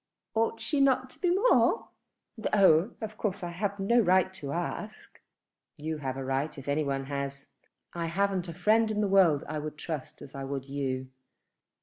"Ought she not to be more? Though of course I have no right to ask." "You have a right if any one has. I haven't a friend in the world I would trust as I would you.